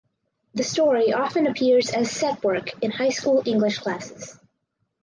The story often appears as set work in high school English classes.